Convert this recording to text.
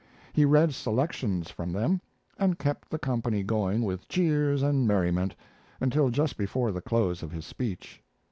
He read selections from them, and kept the company going with cheers and merriment until just before the close of his speech.